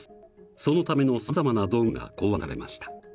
そのためのさまざまな道具が考案されました。